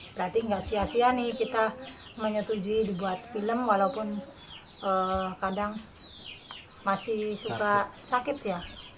berarti nggak sia sia nih kita menyetujui dibuat film walaupun kadang masih suka sakit ya